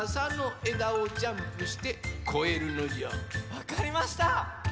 わかりました。